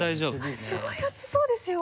すごい熱そうですよ。